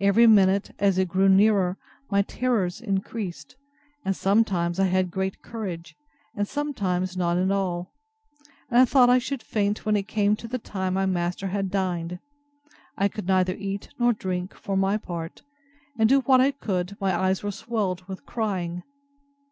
Every minute, as it grew nearer, my terrors increased; and sometimes I had great courage, and sometimes none at all; and I thought I should faint when it came to the time my master had dined. I could neither eat nor drink, for my part; and do what I could, my eyes were swelled with crying.